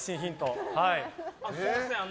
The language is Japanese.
すみません。